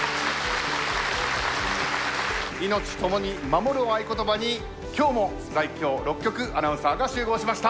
「いのちともに守る」を合言葉に今日も在京６局アナウンサーが集合しました。